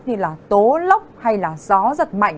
như là tố lốc hay là gió giật mạnh